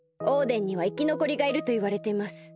オーデンにはいきのこりがいるといわれています。